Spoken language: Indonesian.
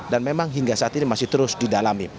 dan memang hingga saat ini masih terus didalami